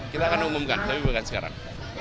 kita akan umumkan tapi bukan sekarang